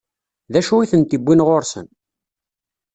D acu i tent-iwwin ɣur-sen?